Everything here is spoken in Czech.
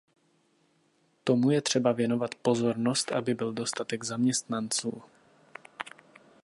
Tomu je třeba věnovat pozornost, aby byl dostatek zaměstnanců.